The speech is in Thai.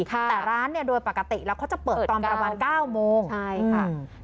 แต่ร้านเนี่ยโดยปกติแล้วเขาจะเปิดตอนประมาณ๙โมงใช่ค่ะ